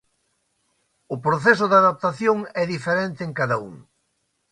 O proceso de adaptación é diferente en cada un.